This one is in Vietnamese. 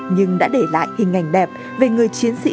nhưng đã để lại hình ảnh đẹp về người chiến sĩ